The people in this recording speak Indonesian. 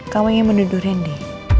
kamu ingin menunduk rendy